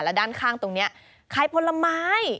แล้วด้านข้างตรงนี้ขายผลไม้